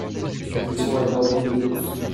Nous étions allés en ville, nous tous.